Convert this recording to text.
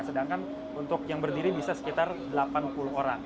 sedangkan untuk yang berdiri bisa sekitar delapan puluh orang